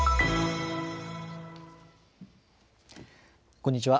こんにちは。